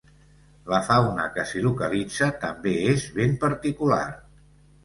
La fauna que s’hi localitza també és ben particular.